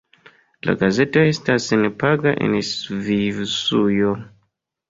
La gazeto estas senpaga en Svisujo.